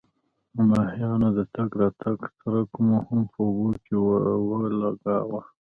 د ماهیانو د تګ راتګ څرک مو هم په اوبو کې ولګاوه.